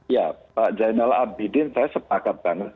ya pak jainal abidin saya sepakat banget